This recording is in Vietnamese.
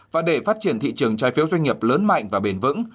và để phát triển thị trường trái phiếu doanh nghiệp lớn mạnh và bền vững